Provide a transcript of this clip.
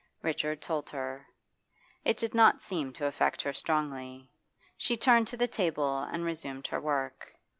Richard told her. It did not seem to affect her strongly; she turned to the table and resumed her work.